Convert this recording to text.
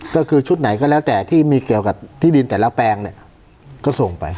ก็คือชุดไหนก็แล้วแต่ที่มีเกี่ยวกับที่ดินแต่ละแปลงเนี่ยก็ส่งไป